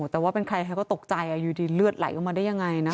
แต่ว่าเป็นใครเขาก็ตกใจอยู่ดีเลือดไหลออกมาได้ยังไงนะ